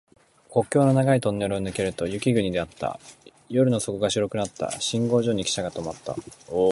国境の長いトンネルを抜けると雪国であった。夜の底が白くなった。信号所にきしゃが止まった。